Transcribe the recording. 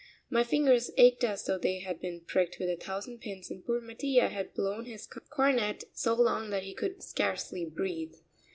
My fingers ached as though they had been pricked with a thousand pins and poor Mattia had blown his cornet so long that he could scarcely breathe.